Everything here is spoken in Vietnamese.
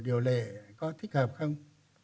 điều lệ có thích hợp không